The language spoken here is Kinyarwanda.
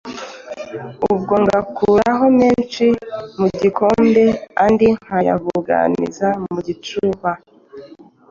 Ubwo ngakuraho menshi mu gikombe andi nkayabuganiza mu gicuba.